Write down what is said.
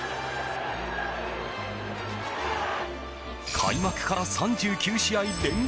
開幕から３９試合連続